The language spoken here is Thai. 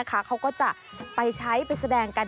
เขาก็จะไปใช้ไปแสดงกัน